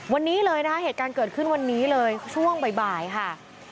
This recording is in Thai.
วันนี้เลยนะคะเหตุการณ์เกิดขึ้นวันนี้เลยช่วงบ่ายค่ะ